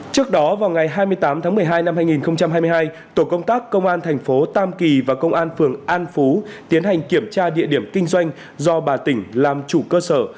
trước đó vào ngày hai mươi tám tháng một mươi hai năm hai nghìn hai mươi hai tổ công tác công an thành phố tam kỳ và công an phường an phú tiến hành kiểm tra địa điểm kinh doanh do bà tỉnh làm chủ cơ sở